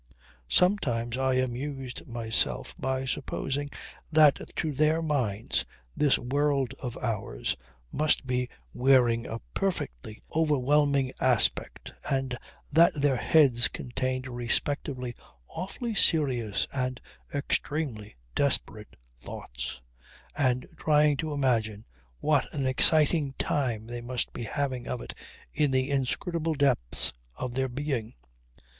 Sometimes I amused myself by supposing that to their minds this world of ours must be wearing a perfectly overwhelming aspect, and that their heads contained respectively awfully serious and extremely desperate thoughts and trying to imagine what an exciting time they must be having of it in the inscrutable depths of their being.